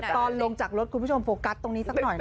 ตอนลงจากรถคุณผู้ชมโฟกัสตรงนี้สักหน่อยนะ